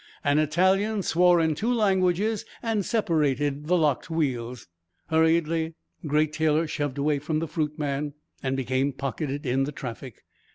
An Italian swore in two languages and separated the locked wheels. Hurriedly Great Taylor shoved away from the fruit man and became pocketed in the traffic.